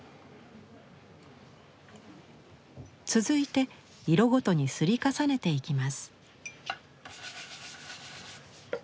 続いて色ごとに摺り重ねていきます。